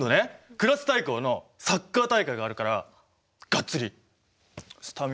クラス対抗のサッカー大会があるからがっつりスタミナつけなきゃと思って。